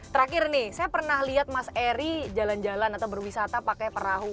terakhir nih saya pernah lihat mas eri jalan jalan atau berwisata pakai perahu